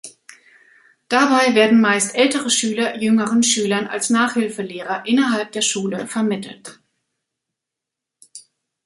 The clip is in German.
Dabei werden meist ältere Schüler jüngeren Schülern als Nachhilfelehrer innerhalb der Schule vermittelt.